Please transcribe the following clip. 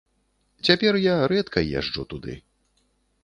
Цяпер я рэдка езджу туды.